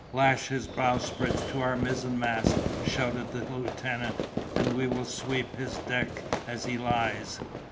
"Lash his bowsprit to our mizzen mast," shouted the lieutenant, "and we will sweep his decks as he lies!"